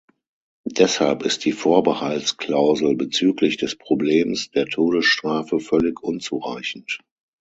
Deshalb ist die Vorbehaltsklausel bezüglich des Problems der Todesstrafe völlig unzureichend.